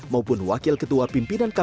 maupun wakil ketua pimpinan kpk